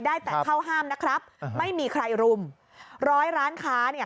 ได้แต่เข้าห้ามนะครับไม่มีใครรุมร้อยร้านค้าเนี่ย